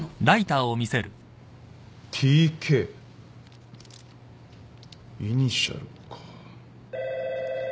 「Ｔ・Ｋ」イニシャルか。